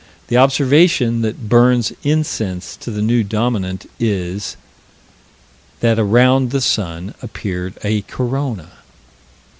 The observation that burns incense to the New Dominant is: That around the sun appeared a corona.